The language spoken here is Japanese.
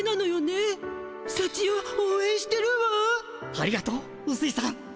ありがとううすいさん。